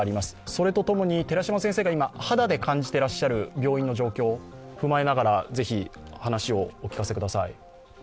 それとともに今肌で感じていらっしゃる病院の状況を踏まえながら、ぜひお聞かせください。